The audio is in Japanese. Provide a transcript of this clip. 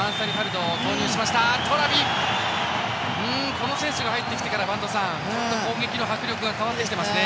トラビが入ってきてから播戸さん、攻撃の迫力が変わってきていますね。